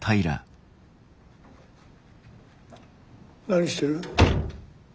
何してる。